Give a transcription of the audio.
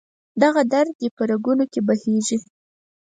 دغه درد دې په رګونو کې بهیږي